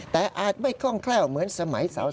แต่อาจไม่คล่องแคล่วเหมือนสมัยสาว